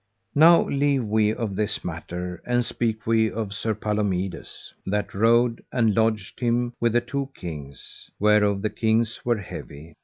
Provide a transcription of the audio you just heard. Now leave we of this matter and speak we of Sir Palomides, that rode and lodged him with the two kings, whereof the kings were heavy.